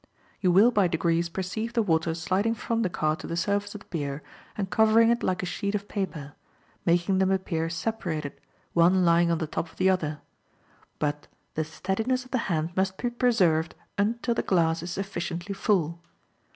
You will by degrees perceive the water sliding from the card to the surface of the beer and covering it like a sheet of paper, making them appear separated, one lying on the top of the other; but the steadiness of the hand must be preserved until the glass is sufficiently full.